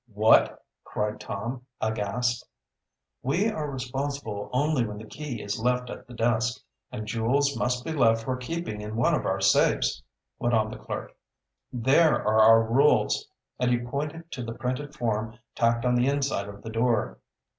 "What!" cried Tom, aghast. "We are responsible only when the key is left at the desk. And jewels must be left for keeping in one of our safes," went on the clerk. "There are our rules," and he pointed to the printed form tacked on the inside of the door.